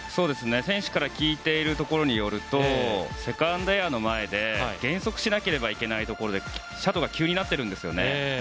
選手から聞いているところによるとセカンドエアの前で減速しなければいけないところで斜度が急になっているんですよね。